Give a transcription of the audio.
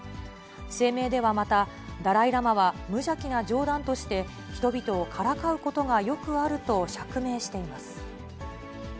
声明ではまた、ダライ・ラマは無邪気な冗談として、人々をからかうことがよくあると釈明しています。